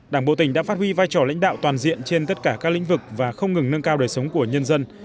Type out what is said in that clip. đảng bộ tỉnh đã phát huy vai trò lãnh đạo toàn diện trên tất cả các lĩnh vực và không ngừng nâng cao đời sống của nhân dân